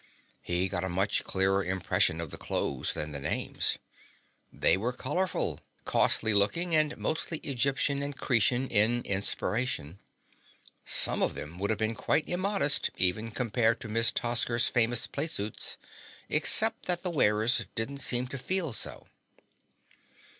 He got a much clearer impression of the clothes than the names. They were colorful, costly looking, and mostly Egyptian and Cretan in inspiration. Some of them would have been quite immodest, even compared to Miss Tosker's famous playsuits, except that the wearers didn't seem to feel so.